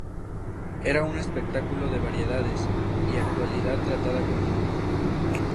Era un espectáculo de variedades, i actualidad tratada con humor.